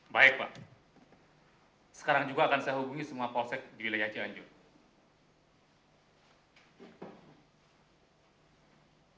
baik pak sekarang juga akan saya hubungi semua polsek di wilayah cianjur